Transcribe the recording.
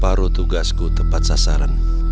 baru tugasku tepat sasaran